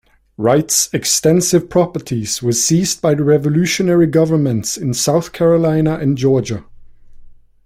Wright's extensive properties were seized by the revolutionary governments in South Carolina and Georgia.